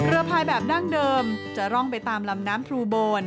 ภายแบบดั้งเดิมจะร่องไปตามลำน้ำทรูโบน